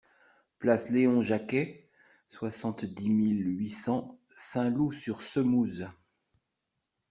Place Léon Jacquey, soixante-dix mille huit cents Saint-Loup-sur-Semouse